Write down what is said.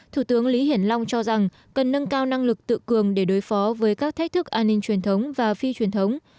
thủ tướng lý hiển long cho rằng cần nâng cao năng lực tự cường để đối phó với các thách thức an ninh truyền thống và phi truyền thống